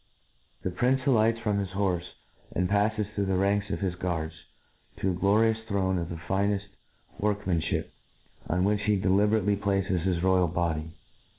The prince alights from his horfe, ^nd jmfles through the ranks of. his guards, to a glorious throne of the fineftwork nianlhip, on which he deliberately places his roy al body.